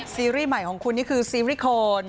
ซีรีส์ใหม่ของคุณนี่คือซีรีสโคน